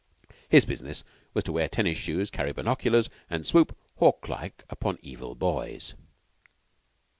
His business was to wear tennis shoes, carry binoculars, and swoop hawklike upon evil boys.